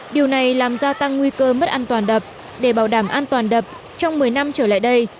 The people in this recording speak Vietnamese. điều này làm gia tăng nguy cơ mất an toàn đập để bảo đảm an toàn đập trong một mươi năm trở lại đây